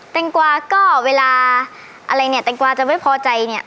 แล้วก็เวลาอะไรเต้งกวาจะไม่พอใจ